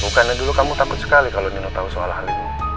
bukannya dulu kamu takut sekali kalau nino tahu soal hal ini